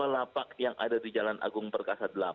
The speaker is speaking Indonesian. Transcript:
dua lapak yang ada di jalan agung perkasa delapan